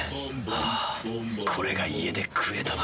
あぁこれが家で食えたなら。